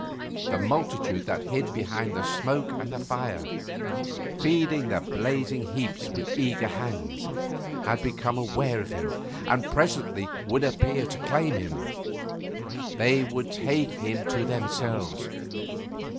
The multitude that hid behind the smoke and fire, feeding the blazing heaps with eager hands, had become aware of him, and presently would appear to claim him. They would take him to themselves.